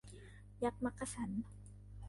ยักษ์มักกะสัน